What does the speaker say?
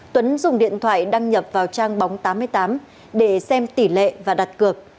tuấn dùng điện thoại đăng nhập vào trang bóng tám mươi tám để xem tỷ lệ và đặt cược